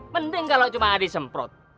mending kalau cuma disemprot